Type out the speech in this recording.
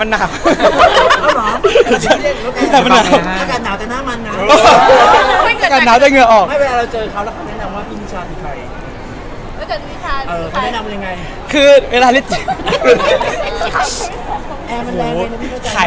พี่เห็นไอ้เทรดเลิศเราทำไมวะไม่ลืมแล้ว